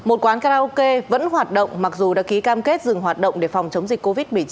một quán karaoke vẫn hoạt động mặc dù đã ký cam kết dừng hoạt động để phòng chống dịch covid một mươi chín